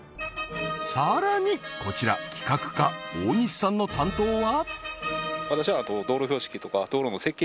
さらにこちら企画課大西さんの担当は？